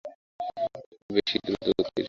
একটু বেশিই দ্রুতগতির।